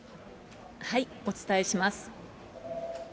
お伝えします。